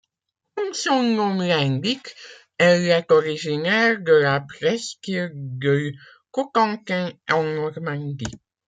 Comme son nom l'indique, elle est originaire de la presqu'île du Cotentin en Normandie.